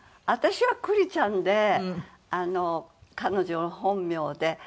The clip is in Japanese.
私は「クリちゃん」で彼女の本名で。